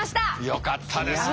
よかったですね